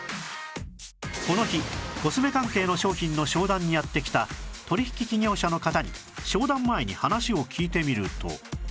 この日コスメ関係の商品の商談にやって来た取引企業者の方に商談前に話を聞いてみると